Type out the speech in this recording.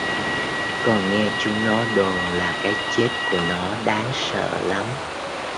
Còn nghe chúng nó đồn là cái chết của nó đáng sợ lắm